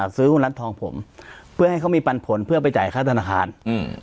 ซื้อหุ้นร้านทองผมเพื่อให้เขามีปันผลเพื่อไปจ่ายค่าธนาคารอืม